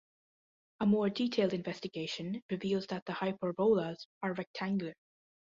A more detailed investigation reveals that the hyperbolas are rectangular.